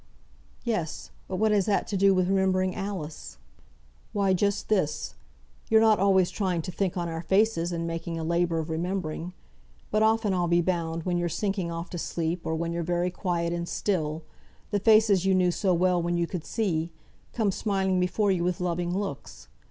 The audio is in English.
"Yes! but what has that to do with remembering Alice?" "Why, just this. You're not always trying to think on our faces, and making a labour of remembering; but often, I'll be bound, when you're sinking off to sleep, or when you're very quiet and still, the faces you knew so well when you could see, come smiling before you with loving looks.